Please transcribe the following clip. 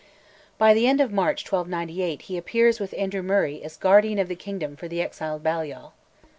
By the end of March 1298 he appears with Andrew Murray as Guardian of the Kingdom for the exiled Balliol.